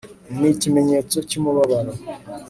ni ikimenyetso cy'umubabaro